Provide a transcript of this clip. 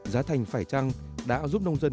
giá thành phải trăng đã giúp nông dân